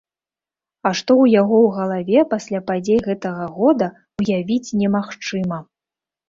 А што ў яго ў галаве пасля падзей гэта года, ўявіць немагчыма!